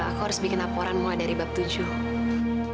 aku harus bikin laporan mulai dari bab tujuh